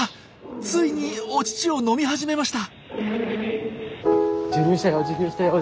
ついにお乳を飲み始めました！